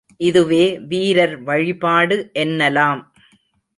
இதுவே வீரர் வழிபாடு என்னலாம்.